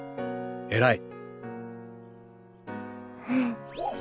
偉い！